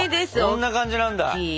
こんな感じなんだ。